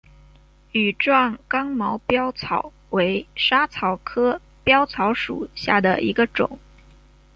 羽状刚毛藨草为莎草科藨草属下的一个种。